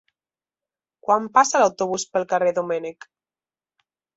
Quan passa l'autobús pel carrer Domènech?